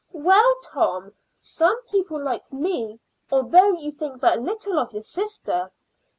"Well, Tom, some people like me, although you think but little of your sister.